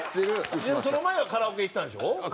でもその前はカラオケ行ってたんでしょ？